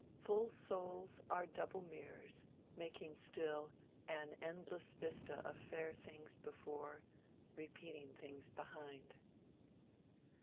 Full souls are double mirrors, making still An endless vista of fair things before, Repeating things behind.